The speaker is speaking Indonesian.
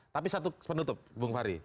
tapi satu penutup bung fahri